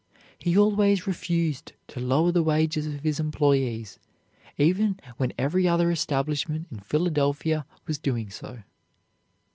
He always refused to lower the wages of his employees even when every other establishment in Philadelphia was doing so.